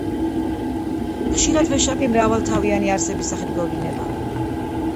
ხშირად ვეშაპი მრავალთავიანი არსების სახით გვევლინება.